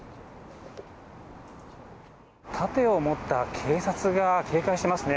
盾を持った警察が警戒してますね。